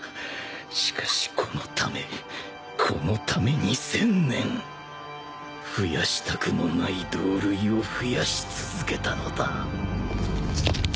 しかしこのためこのために千年増やしたくもない同類を増やし続けたのだ。